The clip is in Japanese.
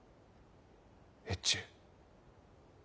越中。